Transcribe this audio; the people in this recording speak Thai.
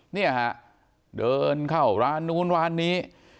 เนี่ยฮะเดินเข้าร้านนู้นร้านนี้